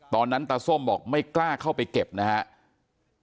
ตาส้มบอกไม่กล้าเข้าไปเก็บนะครับ